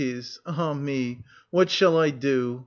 Ah me, what shall I do?